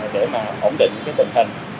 để ổn định tình hình